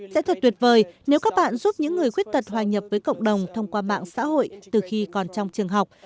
sẽ thật tuyệt vời nếu các bạn giúp những người khuyết tật hòa nhập với cộng đồng thông qua mạng xã hội từ khi còn trong trường học